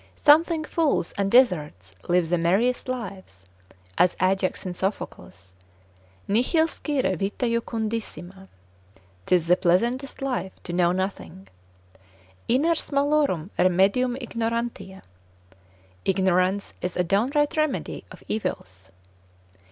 Some think fools and dizzards live the merriest lives, as Ajax in Sophocles, Nihil scire vita jucundissima, 'tis the pleasantest life to know nothing; iners malorum remedium ignorantia, ignorance is a downright remedy of evils.